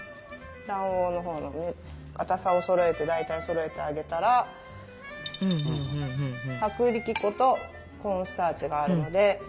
卵黄のほうにかたさをそろえて大体そろえてあげたら薄力粉とコーンスターチがあるので。